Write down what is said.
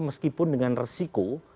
meskipun dengan resiko